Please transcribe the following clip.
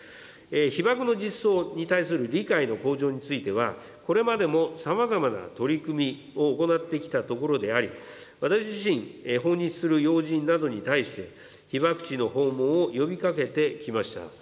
被爆の実相に対する理解の向上については、これまでもさまざまな取り組みを行ってきたところであり、私自身、訪日する要人などに対して、被爆地の訪問を呼びかけてきました。